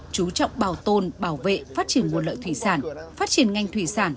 chú trọng bảo tồn bảo vệ phát triển nguồn lợi thủy sản phát triển ngành thủy sản